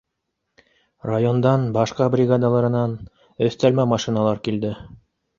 Райондан, башҡа бригадалары нан, өҫтәлмә машиналар килде